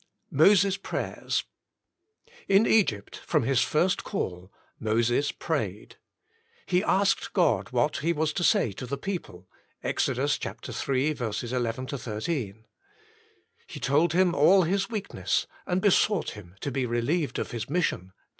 Moses' Prayers. — In Egypt, from his first call, Moses prayed. He asked God what he was to say to the people, Exod. iii. 11 13. He told Him all his weakness, and besought Him to be relieved of his mission, iv.